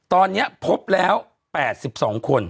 ตอนเนี้ยพบแล้วแปดสิบสองคน